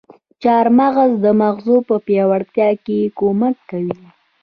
چارمغز د مغزو په پياوړتيا کې کمک کوي.